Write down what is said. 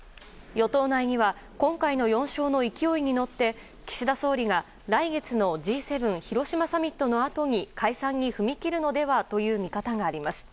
与党内には今回の４勝の勢いに乗って岸田総理が来月のＧ７広島サミットのあとに解散に踏み切るのではという見方があります。